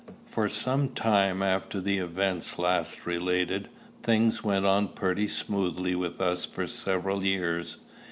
For some time after the events last related, things went on pretty smoothly with us for several years.